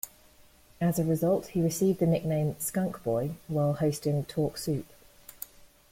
As a result, he received the nickname "Skunk Boy" while hosting "Talk Soup".